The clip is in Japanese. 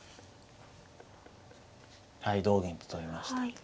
はい同銀と取りました。